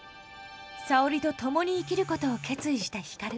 沙織と共に生きることを決意した光。